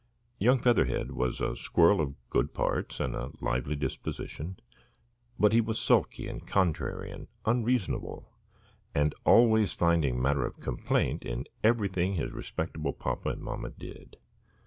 Young Featherhead was a squirrel of good parts and a lively disposition, but he was sulky and contrary and unreasonable, and always finding matter of complaint in everything his respectable papa and mamma did.